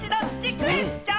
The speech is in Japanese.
クエスチョン。